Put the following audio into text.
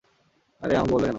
আরে, আমাকে বলবে কেন?